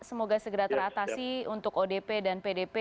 semoga segera teratasi untuk odp dan pdp